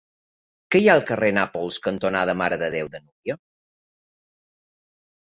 Què hi ha al carrer Nàpols cantonada Mare de Déu de Núria?